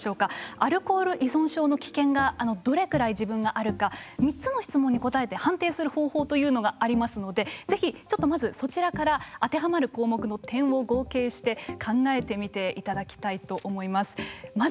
アルコール依存症の危険がどれぐらい自分があるか３つの質問に答えて判定する方法というのがありますのでぜひちょっとまずそちらから当てはまる項目の点を合計して考えてみていただきたいと思います。